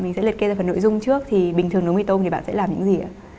mình sẽ liệt kê ra phần nội dung trước thì bình thường nấu mì tôm thì bạn sẽ làm những gì ạ